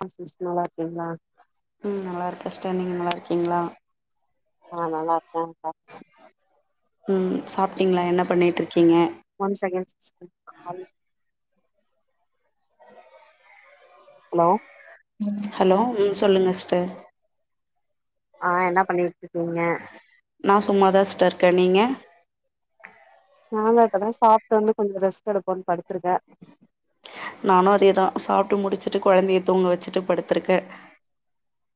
[unintelligible] நல்லா இருக்கீங்களா ம் நல்லாயிருக்கே ஸ்டர் நீங்க நல்லாருக்கீங்களா நல்லா இருக்கே கா ம் சாப்ட்டிங்களா என்ன பண்ணிட்டுருக்கீங்க ஒன் செக்கேண் சிஸ்ட்ட காலு ஹலோ ம் ஹலோ ம் சொல்லுங்க சிஸ்டர் ஆ என்ன பண்ணிட்டு இருக்கீங்க நா சும்மாதா ஸ்ட்ட இருக்க நீங்க நாங்க இப்பதா சாப்ட்டு வந்து கொஞ்ச ரெஸ்ட் எடுப்போன் படுத்துருக்க நானு அதேதா சாப்ட்டு முடிச்சுட்டு கொழந்தைய தூங்க வச்சிட்டு படுத்திருக்கே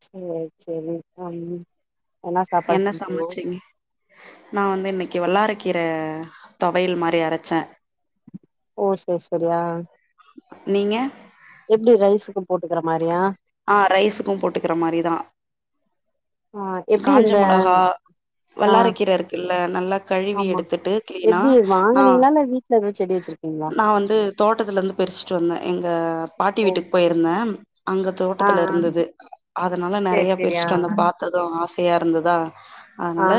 சேரி சேரி [unintelligible] என்ன சாப்பாடு என்ன செஞ்சீங்க சமச்சீங்க நா வந்து இன்னிக்கி வல்லாரக்கீர தொவையலு மாரி அரச்சே ஓ சேரி சேரி ஆ நீங்க எப்டி ரைஸுக்கு போட்டுக்கிற மாரியா ஆ ரைஸுக்கு போட்டுக்குற மாரி தா ஆ எப்டி காஞ்ச இந்த மொளகா ஆ வல்லாரக்கீர இருக்குல்ல நல்லா கழுவி எடுத்துட்டு க்ளீனா ஆ என்ன வீட்ல எதுவு செடி வச்சிருக்கீங்களா நா வந்து தோட்டத்துல இருந்து பெரிட்டு வந்தே எங்க பாட்டி ஓ வீட்டுக்கு சேரி போயிருந்தே அங்க ஆ தோட்டத்துல ஆ இருந்தது அதனால சேரி நெறைய சேரி ஆ பெரிஸ்ட்டு வந்தே பாத்தது ஆசையா இருந்ததா ஆ அதனால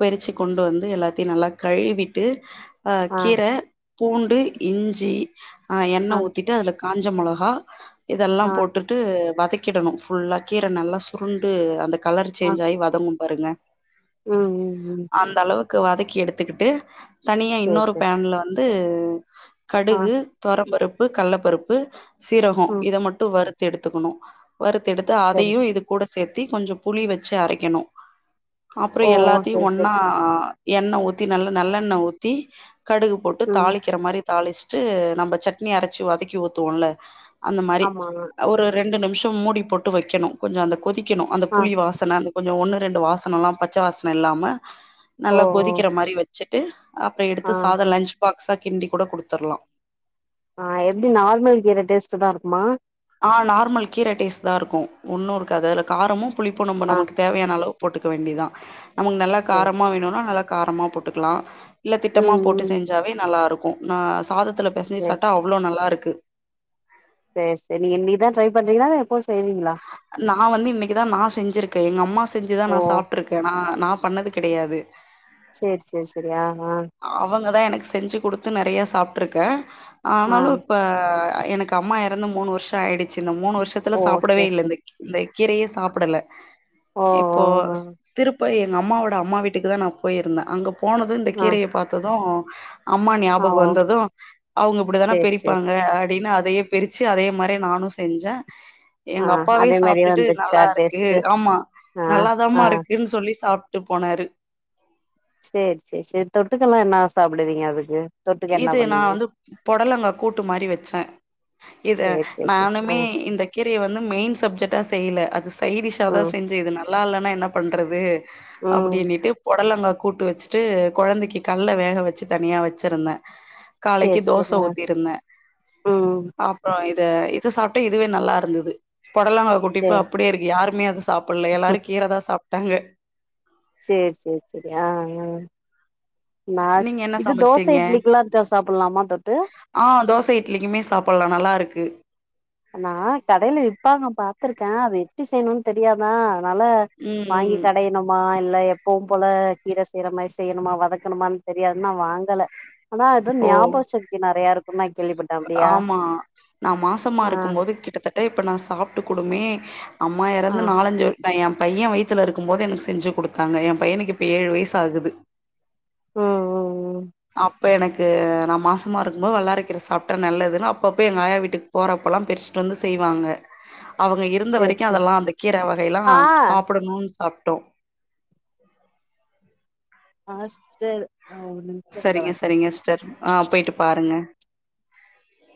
பெறிச்சி கொண்டு வந்து எல்லாத்தையு நல்லா கழுவிட்டு ஆ கீர பூண்டு இஞ்சி ஆ எண்ண ஊத்திட்டு அதுல காஞ்ச மொளகா இதெல்லா ஆ போட்டுட்டு வதக்கிடனு ஃபுல்லா கீர நல்லா சுருண்டு அந்த கலர் ஆ சேஞ்ச் ஆயி வதங்கு பாருங்க ம் ம் ம் அந் தளவுக்கு வதக்கி எடுத்துக்கிட்டு தனியா சேரி இன்னொரு சேரி பேன்ல வந்து ஆ கடுகு தோரம்பருப்பு கள்ளப்பருப்பு சீரகோ ம் இத மட்டு வறுத்து எடுத்துக்கணு வறுத்தெடுத்து சரி அதயு இது கூட சேத்தி கொஞ்சோ புளி வச்சி அரைக்கணு அப்ரோ ஓ ஓ எல்லாத்தியு சரி சரி ஒன்னா எண்ண ஊத்தி நல்ல நல்லெண்ண ஊத்தி கடுகு போட்டு ம் தாளிக்கிற மாரி தாளிஸ்ட்டு நம்ம சட்னி அரச்சி வதக்கி ஊத்துவோல்ல அந்த மாரி ஆமா ஒரு ரெண்டு நிமிஷோ மூடி போட்டு வைக்கணும் கொஞ்சம் அந்த கொதிக்கணும் அந்த ஆ புளி வாசன அந்த கொஞ்ஜோ ஒன்னு ரெண்டு வாசனலாம் பச்ச வாசன இல்லாம ஓ நல்லா ஓ கொதிக்கிற மாரி வச்சிட்டு அப்பறோ த்து ஆ சாதோ லன்ச் பாக்ஸா கிண்டி கூட குடுத்தர்லா ஆ எப்டி நார்மல் கீர டேஸ்டுதா இருக்குமா ஆ நார்மல் கீர டேஸ்டுதா இருக்கு ஒன்னு இருக்காது அதுல காரமு புளிப்பு நம்ம ஆ நமக்கு தேவையான அளவு போட்டுக்க வேண்டியதுதா நமக்கு நல்லா சரி காரமா வேணுன்னா நல்லா காரமா போட்டுக்கலா இல்ல திட்டமா ம் போட்டு ம் செஞ்சாவே நல்லாயிருக்கும் நா சாதத்துலா பெசஞ்சி சரி சாப்டா அவ்வளோ நல்லாருக்கு சேர் சேர் நீங்க இன்னிக்கு தா ட்ரை பண்றீங்களா இல்ல எப்போ செய்வீங்களா நா வந்து இன்னிக்குதா நா செஞ்சிருக்க எங்கம்மா செஞ்சி தா ஓ நா சாப்ட்ருக் ஏன்னா நா பண்ணது கெடையாது சேரி சேரி சேரி ஆ ஆ அவங்கதா எனக்கு செஞ்சி குடுத்து நெறைய சாப்டிருக்கே ஆ ஆனாலு இப்ப எனக்கு அம்மா எறந்து மூணு வருஷோ ஆயிடுச்சி இந்த மூணு வருஷத்து ஓ சரி சரி இல்ல கீரயே சாப்பிடல ஓ ஓ இப்போ ஓ திருப்ப எங்க அம்மாவோட அம்மா வீட்டுக்கு தா நா போயிருந்த அங்க போனது இந்த ஆ கீரய பாத்ததூ அம்மா ஆ ஞாபகு ஓ வந்தது அவுங்க இப்டிதானே சரி சரி பெரிப்பாங்க அப்டின்னு அதையே பிரிச்சி அதே மாரி நானு செஞ்ச ஆ எங்க அப்பாவே அதே மாரியே சாப்டிட்டு வந்துருச்சா நல்லா இருக்கு டேஸ்ட்டு ஆமா ஆ ஆ நல்லாதமா இருக்குன்னு சொல்லி சாப்ப ட்டு போனாரு சரி சரி சரி தொட்டுக்கெல்லாம் என்ன சாப்டுவீங்க அதுக்கு தொட்டுக்க என்ன இது நா பண்ணீங்க வந்து பொடலங்க கூட்டு மாரி வெச்ச இத சரி சரி சரி ஆ நானுமே இந்த கீரய வந்து மெயின் சப்ஜெட்டா செய்யல அது சைடிஷா தா ம் செஞ்சே இது நல்லால்லன்னா என்ன பண்றது ம் அப்டின்னிட்டு பொடலங்கா கூட்டு வச்சிட்டு கொழந்தைக்கு கல்ல வேக வச்சி தனியா வச்சிருந்தே சேரி காலைக்கு தோச சேரி ஆ ஊத்திருந்தே ம் அப் அப்ரோ இத இது சாப்ட்டு இதுவே நல்லாருந்தது பொடலங்கா கூட்டு இப்ப சேரி அப்டியே இருக்கு யாருமே அத சாப் சாப்ல்ல எல்லாரு கீரதா சாப்ட்டாங்க சேர் சேர் செரி அ அ ந நீங்க என்ன இது தோச சமச்சீங்க இட்லிக்குலா இத சாப்பலாமா தொட்டு ஆ தோச இட்லிக்குமே சாப்பல்லா நல்லா இருக்கு நா கடைல விப்பாங்க பாத்திருக்கே அது எப்டி செய்யணுன்னு தெரியாதா அதனால ம் வாங்கி ம் கடைய னமா இல்ல எப்பவு போல கீர செய்ற மாரி செய்யணுமா வதக்கணுமானு தெரியாது நா வாங்கல ஆனா ஏதோ ஓ ஞாபக சக்தி நெறைய இருக்குனு நா கேள்விப்பட் ஆமா நா மாசமா இருக்கும்போது கிட்டத்தட்ட இப்ப நா சாப்ட்டு கூடுமே அம்மா ஆ எறந்து நாலஞ்சு இப்ப ஏ பையே வயித்துல இருக்கும் போது எனக்கு செஞ்சி குடுத்தாங்க ஏ பையனுக்கு இப்ப ஏழு வயசு ஆகுது ம் ம் ம் அப்ப எனக்கு நா மாசமா இருக்கும்போது வல்லாறக் கீர சாப் நல்லதுன்னு அப்பப்ப எங்க ஆயா வீட்டுக்கு போறப்பலா பெரிச்ட்டு வந்து செய்வாங்க அவுங்க இருந்த சேரி வரைக்கு சேரி அதல்லா அந்த கீர வகைலா ஆ சாப்படனுன் சாப்டோ ஆ சிஸ்டர் ஆ உ சரிங்க சரிங்க சிஸ்டர் ஆ போயிட்டு பாருங்க